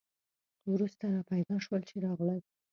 وروسته را پیدا شول چې راغلل.